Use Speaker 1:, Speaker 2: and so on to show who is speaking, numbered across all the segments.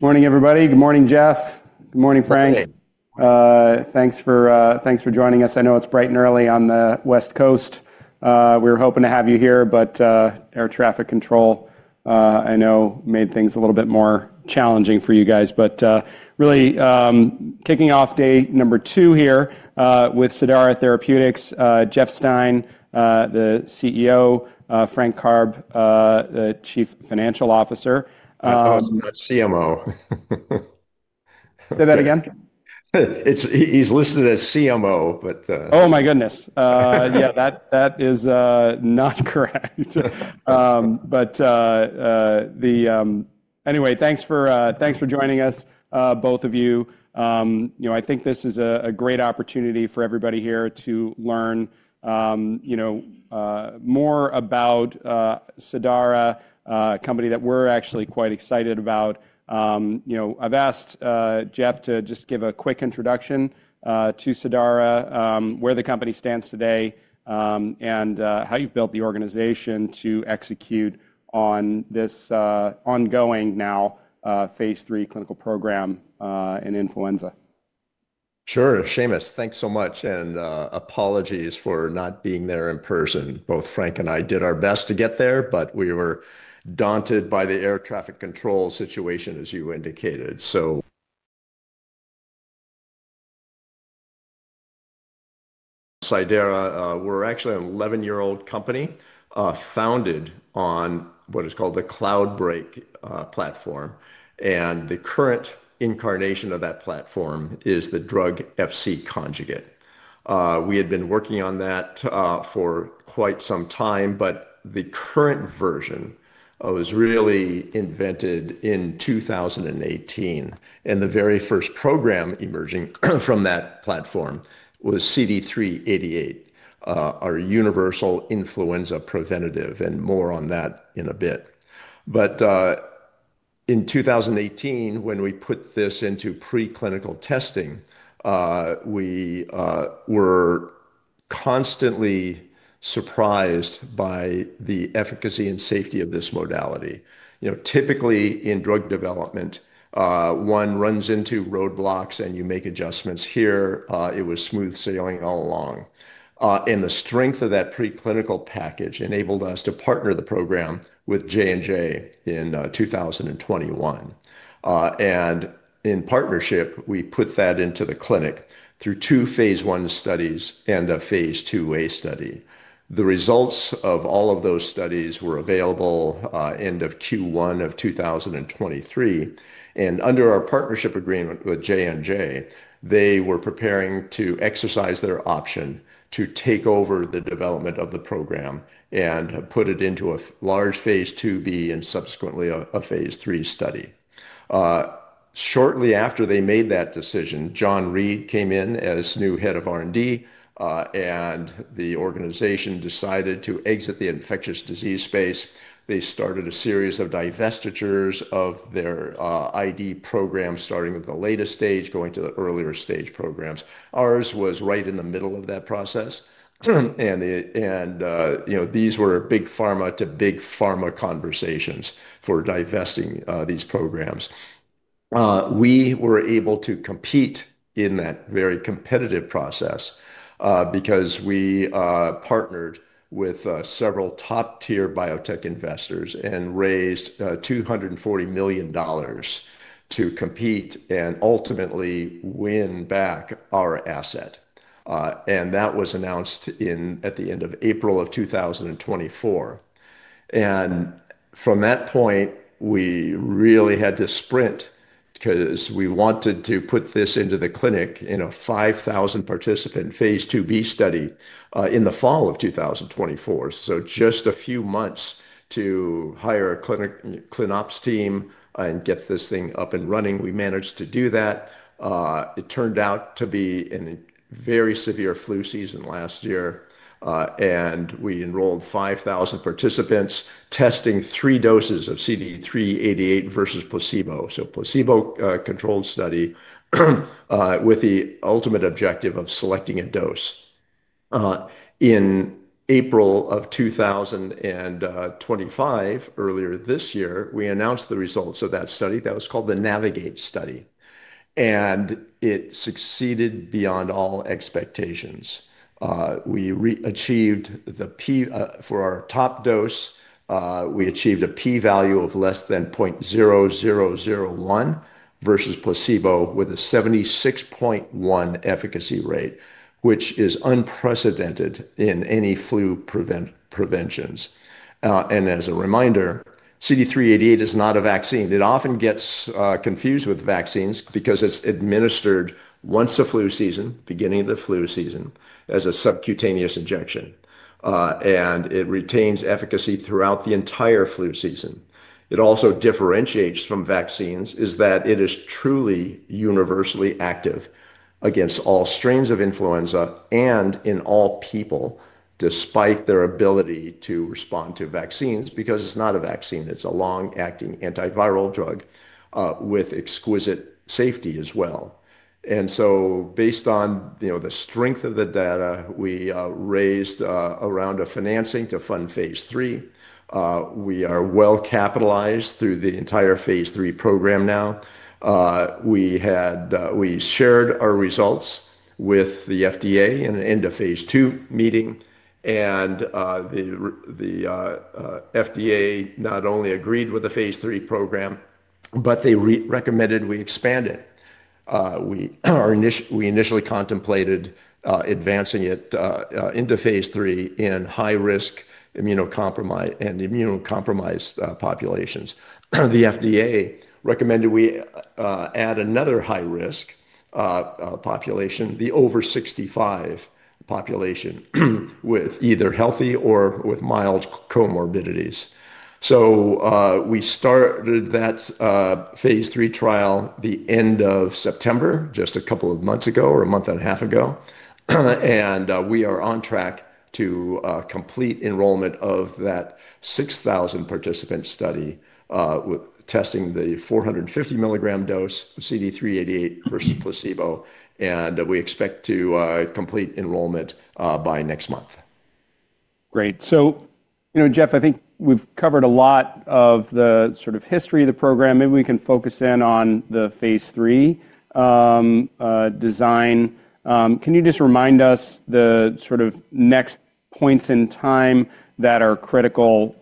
Speaker 1: Morning everybody. Good morning, Jeff. Good morning, Frank. Thanks for joining us. I know it's bright and early on the west coast. We were hoping to have you here, but air traffic control I know made things a little bit more challenging for you guys. Really kicking off day number two here with Cidara Therapeutics. Jeff Stein, the CEO, Frank Karbe, the Chief Financial Officer,
Speaker 2: CMO.
Speaker 1: Say that again.
Speaker 2: He's listed as CMO, but
Speaker 1: oh my goodness. Yeah, that is not correct. Anyway, thanks for joining us, both of you. I think this is a great opportunity for everybody here to learn more about Cidara, a company that we're actually quite excited about. I've asked Jeff to just give a quick introduction to Cidara, where the company stands today and how you've built the organization to execute on this ongoing now phase III clinical program in influenza.
Speaker 2: Sure, Seamus, thanks so much and apologies for not being there in person. Both Frank and I did our best to get there, but we were daunted by the air traffic control situation, as you indicated. So Cidara, we're actually an 11-year-old company founded on what is called the Cloudbreak platform. The current incarnation of that platform is the Drug-Fc conjugate. We had been working on that for quite some time, but the current version was really invented in 2018 and the very first program emerging from that platform was CD388, our universal influenza preventative. More on that in a bit. In 2018, when we put this into preclinical testing, we were constantly surprised by the efficacy and safety of this modality. Typically in drug development one runs into roadblocks and you make adjustments. Here it was smooth sailing all along. The strength of that preclinical package enabled us to partner the program with J&J in 2021 in partnership. We put that into the clinic through two phase I studies and a phase II-A. The results of all of those studies were available end of Q1 of 2023 under our partnership agreement with J&J. They were preparing to exercise their option to take over the development of the program and put it into a large phase II-B and subsequently a phase III study. Shortly after they made that decision, John Reed came in as new Head of R&D and the organization decided to exit the infectious disease space. They started a series of divestitures of their ID program, starting with the latest stage going to the earlier stage programs. Ours was right in the middle of that process. These were big pharma to big pharma conversations for divesting these programs. We were able to compete in that very competitive process because we partnered with several top tier biotech investors and raised $240 million to compete and ultimately win back our asset. That was announced at the end of April of 2024. From that point we really had to sprint because we wanted to put this into the clinic. In a 5,000 participant phase II-B study in the fall of 2024, just a few months to hire a ClinOps team and get this thing up and running, we managed to do that. It turned out to be a very severe flu season. Last year we enrolled 5,000 participants testing three doses of CD388 versus placebo. Placebo controlled study with the ultimate objective of selecting a dose in April of 2025. Earlier this year we announced the results of that study that was called the NAVIGATE study and it succeeded beyond all expectations. We achieved the P. For our top dose we achieved a P value of less than 0.0001 versus placebo with a 76.1% efficacy rate which is unprecedented in any flu preventions. As a reminder, CD388 is not a vaccine. It often gets confused with vaccines because it's administered once a flu season, beginning of the flu season as a subcutaneous injection and it retains efficacy throughout the entire flu season. What also differentiates it from vaccines is that it is truly universally active against all strains of influenza and in all people, despite their ability to respond to vaccines. Because it's not a vaccine, it's a long acting antiviral drug with exquisite safety as well. Based on the strength of the data, we raised a round of financing to fund phase III. We are well capitalized through the entire phase III program. Now. We shared our results with the FDA in an end of phase II meeting. The FDA not only agreed with the phase III program, but they recommended we expand it. We initially contemplated advancing it into phase III in high-risk immunocompromised and immunocompromised populations. The FDA recommended we add another high-risk population, the over 65 population with either healthy or with mild comorbidities. We started that phase III trial the end of September, just a couple of months ago or a month and a half ago. We are on track to complete enrollment of that 6,000 participant study testing the 450 milligram dose CD388 versus placebo. We expect to complete enrollment by next month.
Speaker 1: Great, Jeff. I think we've covered a lot of the history of the program. Maybe we can focus in on the phase III design. Can you just remind us the sort of next points in time that are critical,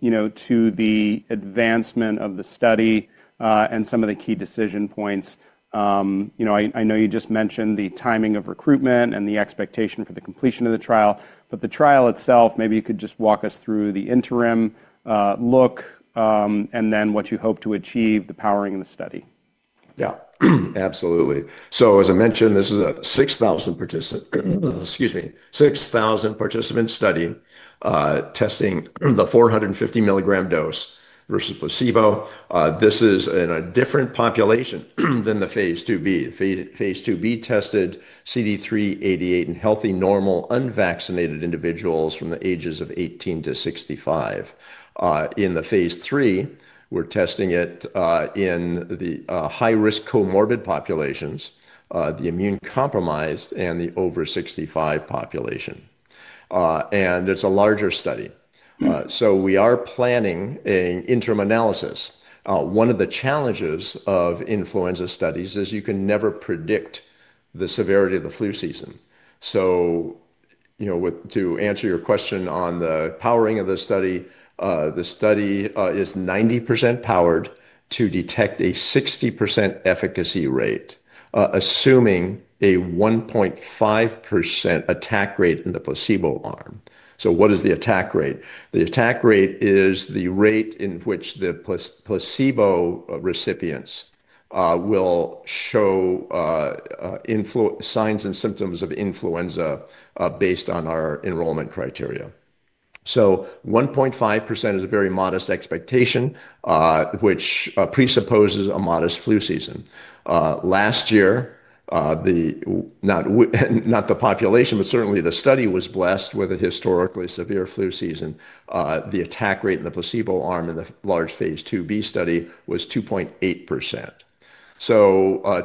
Speaker 1: you know, to the advancement of the study and some of the key decision points? You know, I know you just mentioned the timing of recruitment and the expectation for the completion of the trial, but the trial itself. Maybe you could just walk us through the interim look and then what you hope to achieve, the powering and the study.
Speaker 2: Yeah, absolutely. As I mentioned, this is a 6,000 participant—excuse me, 6,000 participants study testing the 450 milligram dose versus placebo. This is in a different population than the phase II-B. Phase II-B tested CD388 in healthy, normal, unvaccinated individuals from the ages of 18-65. In the phase III, we're testing it in the high risk comorbid populations, the immune compromised and the over 65 population. It's a larger study. We are planning an interim analysis. One of the challenges of influenza studies is you can never predict the severity of the flu season. To answer your question on the powering of the study, the study is 90% powered to detect a 60% efficacy rate, assuming a 1.5% attack rate in the placebo arm. What is the attack rate? The attack rate is the rate in which the placebo recipients will show signs and symptoms of influenza based on our enrollment criteria. 1.5% is a very modest expectation, which presupposes a modest flu season last year. Not the population, but certainly the study was blessed with a historically severe flu season. The attack rate in the placebo arm in the large phase II-B study was 2.8%.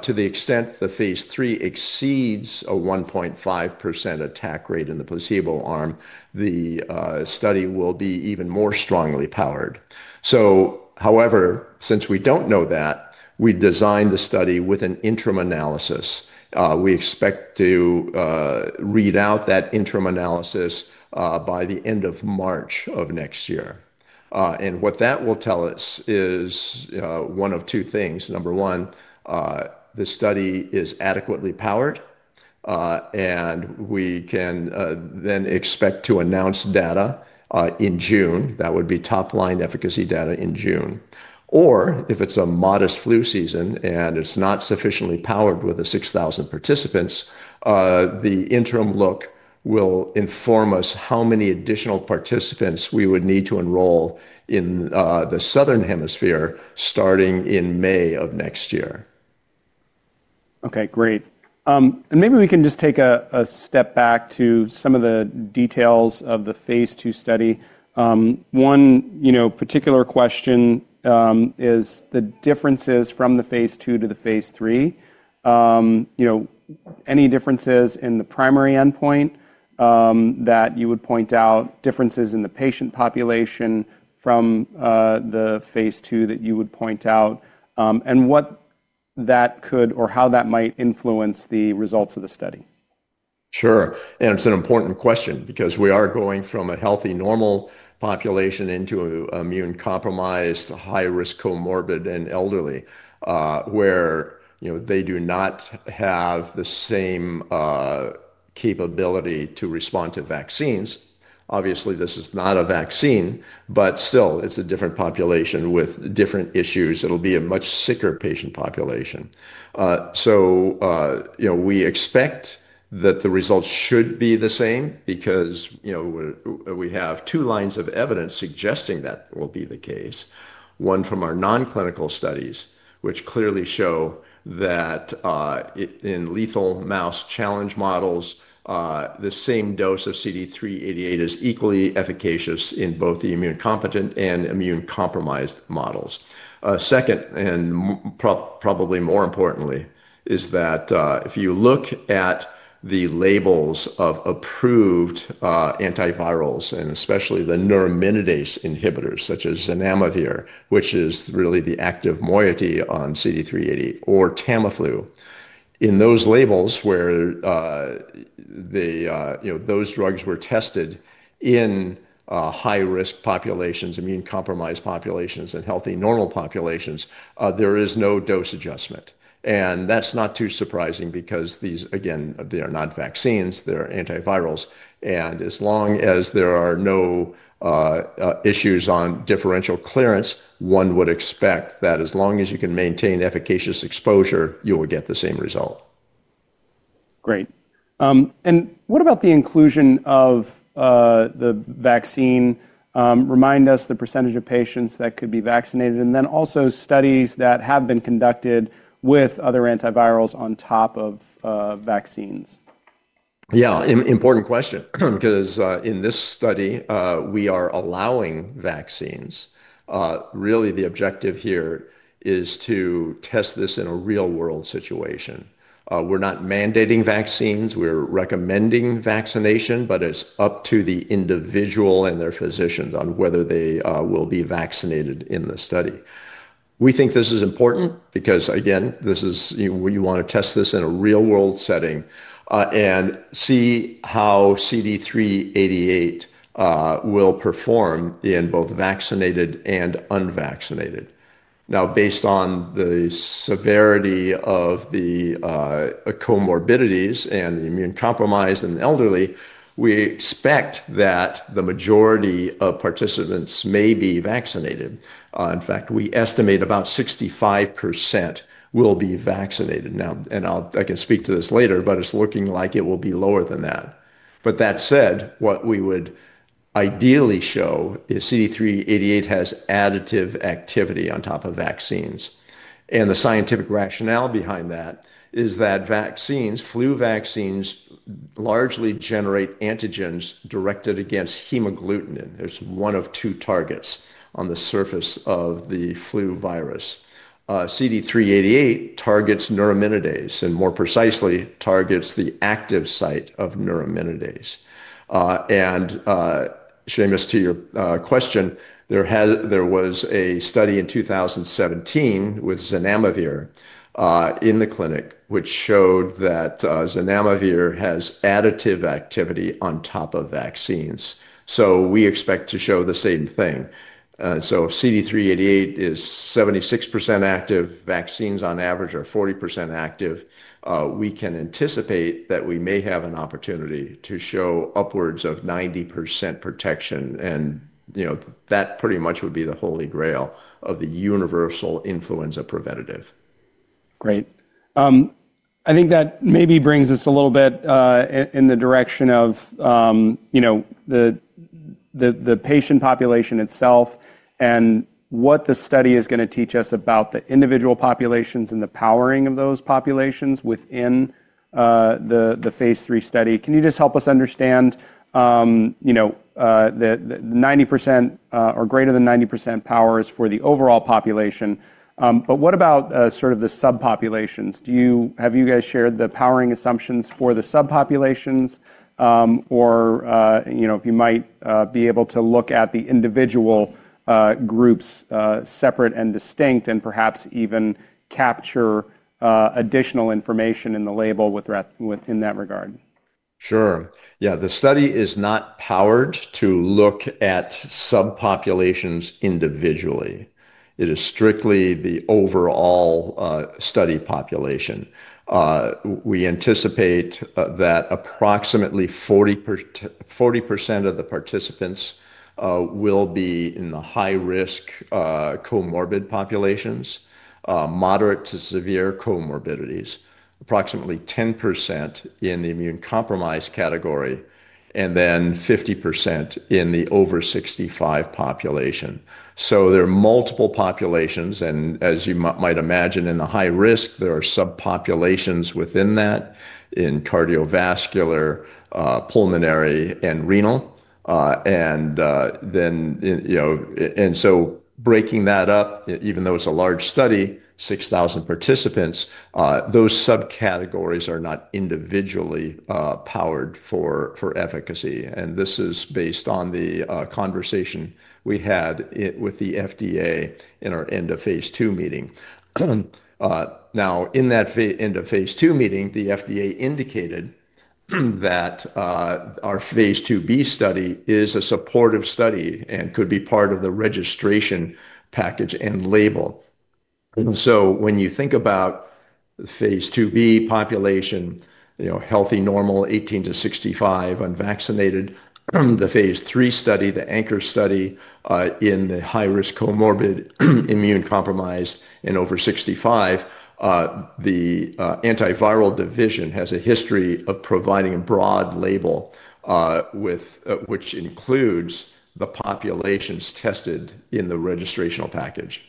Speaker 2: To the extent the phase III exceeds a 1.5% attack rate in the placebo arm, the study will be even more strongly powered. However, since we do not know that we designed the study with an interim analysis. We expect to read out that interim analysis by the end of March of next year. What that will tell us is one of two things. Number one, the study is adequately powered and we can then expect to announce data in June. That would be top line efficacy data in June. Or if it's a modest flu season and it's not sufficiently powered with the 6,000 participants, the interim look will inform us how many additional participants we would need to enroll in the Southern hemisphere starting in May of next year.
Speaker 1: Okay, great. Maybe we can just take a step back to some of the details of the phase II study. One particular question is the differences from the phase II to the phase III. Any differences in the primary endpoint that you would point out? Differences in the patient population from the phase II that you would point out and what that could or how that might influence the results of the study.
Speaker 2: Sure, and it's an important question because we are going from a healthy normal population into immune compromised, high risk, comorbid and elderly where they do not have the same capability to respond to vaccines. Obviously this is not a vaccine, but still it's a different population with different issues. It'll be a much sicker patient population. You know, we expect that the results should be the same because, you know, we have two lines of evidence suggesting that will be the case. One, from our nonclinical studies which clearly show that in lethal mouse challenge models, the same dose of CD388 is equally efficacious in both the immune competent and immune compromised models. Second, and probably more importantly is that if you look at the labels of approved antivirals and especially the neuraminidase inhibitors such as zanamivir, which is really the active moiety on CD388 or Tamiflu, in those labels where those drugs were tested in high-risk populations, immune compromised populations and healthy normal populations, there is no dose adjustment. That is not too surprising because these again, they are not vaccines, they are antivirals. As long as there are no issues on differential clearance, one would expect that as long as you can maintain efficacious exposure, you will get the same result.
Speaker 1: Great. What about the inclusion of the vaccine? Remind us the percentage of patients that could be vaccinated and then also studies that have been conducted with other antivirals on top of vaccines.
Speaker 2: Yeah, important question because in this study we are allowing vaccines. Really the objective here is to test this in a real world situation. We're not mandating vaccines, we're recommending vaccination, but it's up to the individual and their physicians on whether they will be vaccinated in the study. We think this is important because again, you want to test this in a real world setting and see how CD388 will perform in both vaccinated and unvaccinated. Now, based on the severity of the comorbidities and the immune compromised and elderly, we expect that the majority of participants may be vaccinated. In fact, we estimate about 65% will be vaccinated now. I can speak to this later, but it's looking like it will be lower than that. That said, what we would ideally show is CD388 has additive activity on top of vaccines. The scientific rationale behind that is that vaccines, flu vaccines, largely generate antigens directed against hemagglutinin. There is one of two targets on the surface of the flu virus. CD388 targets neuraminidase and more precisely targets the active site of neuraminidase. Seamus, to your question, there was a study in 2017 with zanamivir in the clinic which showed that zanamivir has additive activity on top of vaccines. We expect to show the same thing. CD388 is 76% active. Vaccines on average are 40% active. We can anticipate that we may have an opportunity to show upwards of 90% protection. You know, that pretty much would be the holy grail of the universal influenza preventative.
Speaker 1: Great. I think that maybe brings us a little bit in the direction of, you know, the patient population itself and what the study is going to teach us about the individual populations and the powering of those populations within. In the phase III study, can you just help us understand, you know, 90% or greater than 90% powers for the overall population? What about sort of the subpopulations? Do you, have you guys shared the powering assumptions for the subpopulations or, you know, if you might be able to look at the individual groups separate and distinct. Distinct and perhaps even capture additional information in the label in that regard? Sure, yeah. The study is not powered to look at subpopulations individually. It is strictly the overall study population. We anticipate that approximately 40% of the participants will be in the high risk comorbid populations, moderate to severe comorbidities, approximately 10% in the immune compromised category and then 50% in the over 65 population. There are multiple populations and as you might imagine, in the high risk, there are subpopulations within that in cardiovascular, pulmonary and renal. You know, and so breaking that up, even though it's a large study, 6,000 participants, those subcategories are not individually powered for efficacy. This is based on the conversation we had with the FDA in our end of phase II meeting. Now, in that end of phase II meeting, the FDA indicated that our phase II-B study is a supportive study and could be part of the registration package and label. When you think about phase II-B population, healthy, normal, 18-65 unvaccinated. The phase III study, the anchor study in the high risk comorbid immune compromised in over 65, the Antiviral Division has a history of providing a broad label which includes the populations tested in the registrational package.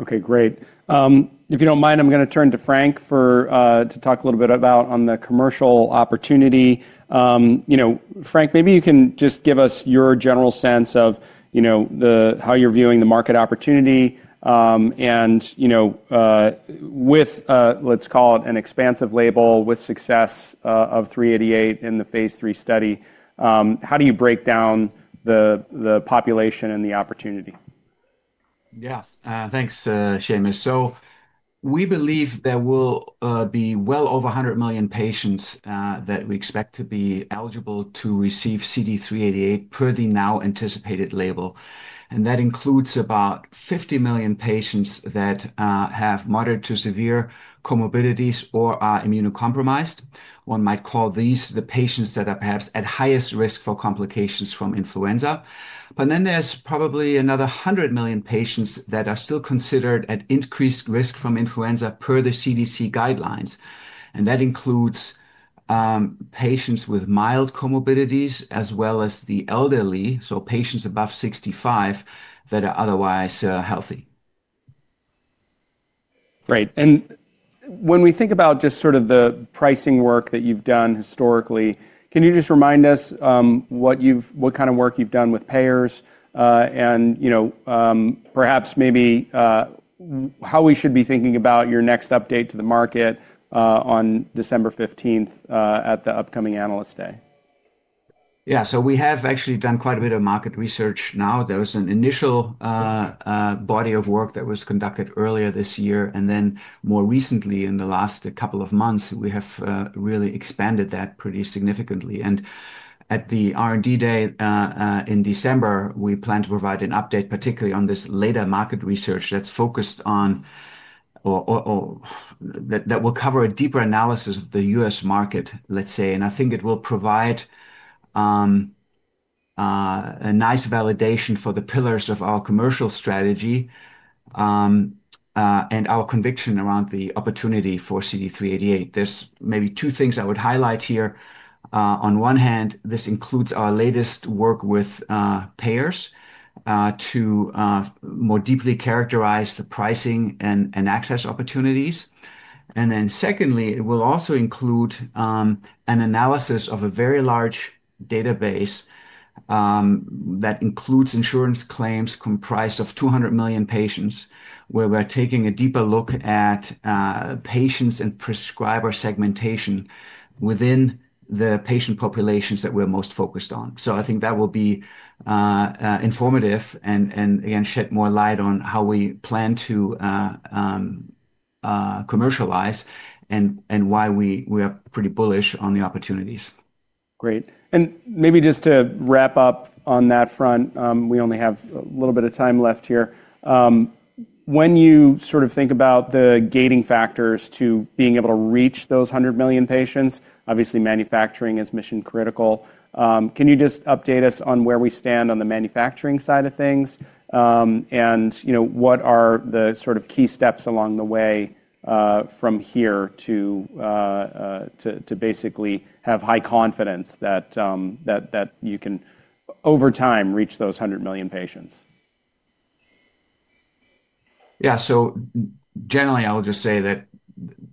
Speaker 1: Okay, great. If you don't mind, I'm going to turn to Frank to talk a little bit about on the commercial opportunity. Frank, maybe you can just give us your general sense of how you're viewing the market opportunity and, you know, with, let's call it an expansive label with success of 388 in the phase III study, how do you break down the population and the opportunity?
Speaker 3: Yes, thanks, Seamus. We believe there will be well over 100 million patients that we expect to be eligible to receive CD388 per the now anticipated label. That includes about 50 million patients that have moderate to severe comorbidities or are immunocompromised. One might call these the patients that are perhaps at highest risk for complications from influenza. There is probably another 100 million patients that are still considered at increased risk from influenza per the CDC guidelines. That includes patients with mild comorbidities as well as the elderly, so patients above 65 that are otherwise healthy.
Speaker 1: Great. When we think about just sort of the pricing work that you've done historically, can you just remind us what you've, what kind of work you've done with payers and you know, perhaps maybe how we should be thinking about your next update to the market on December 15th at the upcoming analyst day?
Speaker 3: Yeah, so we have actually done quite a bit of market research now. There was an initial body of work that was conducted earlier this year and then more recently in the last couple of months we have really expanded that pretty significantly. At the R&D day in December, we plan to provide an update, particularly on this later market research that's focused on or that will cover a deeper analysis of the U.S. market, let's say, and I think it will provide a nice validation for the pillars of our commercial strategy and our conviction around the opportunity for CD388. There's maybe two things I would highlight here. On one hand, this includes our latest work with payers to more deeply characterize the pricing and access opportunities. It will also include an analysis of a very large database that includes insurance claims comprised of 200 million patients, where we're taking a deeper look at patients and prescriber segmentation within the patient populations that we're most focused on. I think that will be informative and again shed more light on how we plan to commercialize and why we are pretty bullish on the opportunities.
Speaker 1: Great. Maybe just to wrap up on that front, we only have a little bit of time left here. When you sort of think about the gating factors to being able to reach those 100 million patients, obviously, manufacturing is mission critical. Can you just update us on where we stand on the manufacturing side of things and what are the sort of key steps along the way from here to basically have high confidence that you can over time reach those 100 million patients?
Speaker 3: Yeah, so generally I'll just say that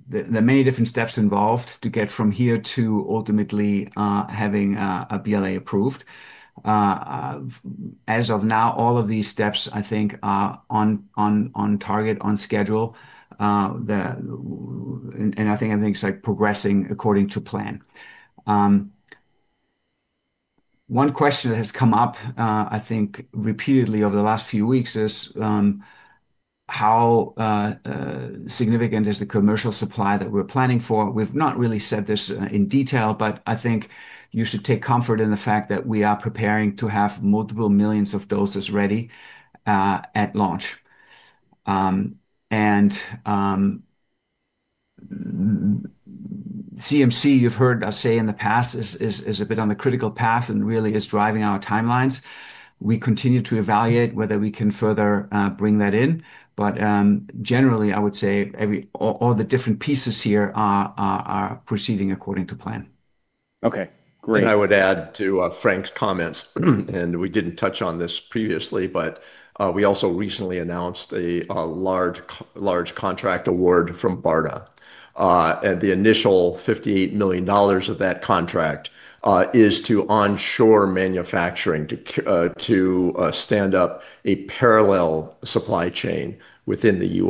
Speaker 3: there are many different steps involved to get from here to ultimately having a BLA approved. As of now, all of these steps, I think are on target, on schedule, and I think everything's like progressing according to plan. One question that has come up, I think repeatedly over the last few weeks is how significant is the commercial supply that we're planning for? We've not really said this in detail, but I think you should take comfort in the fact that we are preparing to have multiple millions of doses ready at launch. And CMC, you've heard us say in the past, is a bit on the critical path and really is driving our timelines. We continue to evaluate whether we can further bring that in, but generally I would say every. All the different pieces here are proceeding according to plan.
Speaker 1: Okay, great.
Speaker 2: I would add to Frank's comments, and we didn't touch on this previously, but we also recently announced a large, large contract award from BARDA and the initial $58 million of that contract is to onshore manufacturing to stand up a parallel supply chain within the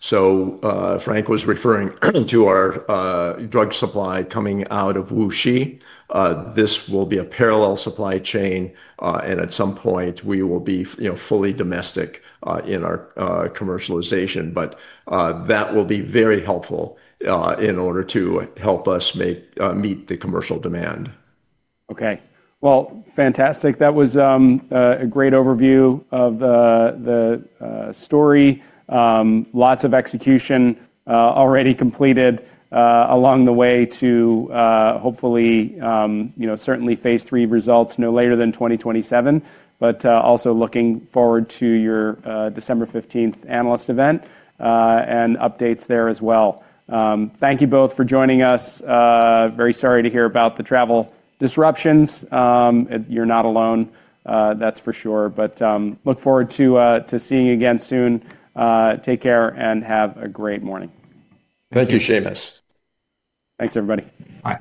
Speaker 2: U.S. Frank was referring to our drug supply coming out of Wuxi. This will be a parallel supply chain and at some point we will be fully domestic in our commercialization. That will be very helpful in order to help us meet the commercial demand.
Speaker 1: Okay, fantastic. That was a great overview of the story. Lots of execution already completed along the way to hopefully certainly phase III results no later than 2027. Also looking forward to your December 15th analyst event and updates there as well. Thank you both for joining us. Very sorry to hear about the travel disruptions. You're not alone, that's for sure. Look forward to seeing you again soon. Take care and have a great morning.
Speaker 2: Thank you, Seamus.
Speaker 1: Thanks, everybody.